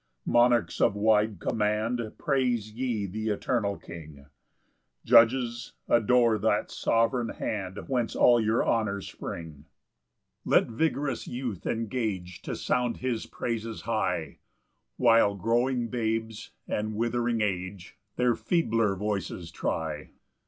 13 Monarchs of wide command, Praise ye th' eternal King; Judges, adore that sovereign hand Whence all your honours spring. 14 Let vigorous youth engage To sound his praises high; While growing babes, and withering age, Their feebler voices try.